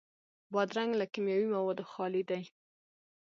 بادرنګ له کیمیاوي موادو خالي دی.